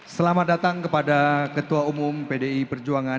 selamat datang kepada ketua umum pdi perjuangan